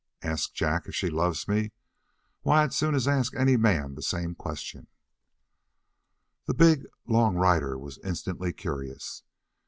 "Ask Jack if she loves me? Why, I'd as soon ask any man the same question." The big long rider was instantly curious.